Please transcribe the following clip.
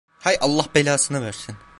Hay Allah belasını versin.